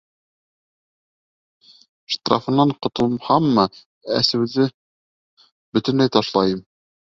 Штрафынан ҡотолһаммы, әсеүҙе бөтөнләй ташлайым.